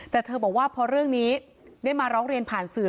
แต่เธอบอกว่าพอเรื่องนี้ได้มาร้องเรียนผ่านสื่อ